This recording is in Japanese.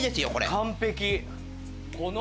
完璧。